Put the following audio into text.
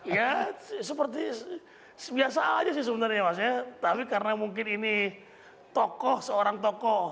ya seperti biasa aja sih sebenarnya mas ya tapi karena mungkin ini tokoh seorang tokoh